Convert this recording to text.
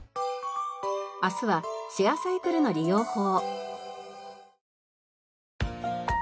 明日はシェアサイクルの利用法。